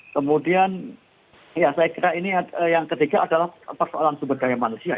kemudian ya saya kira ini yang ketiga adalah persoalan sumber daya manusia